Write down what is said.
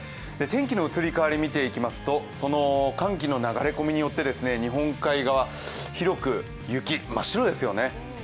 天気の移り変わり見ていきますと寒気の流れ込みによって日本海側、広く雪、真っ白ですよね。